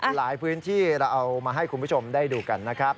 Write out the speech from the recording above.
หลายพื้นที่เราเอามาให้คุณผู้ชมได้ดูกันนะครับ